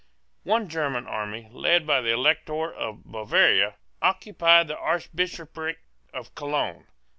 One German army, led by the Elector of Bavaria, occupied the Archbishopric of Cologne.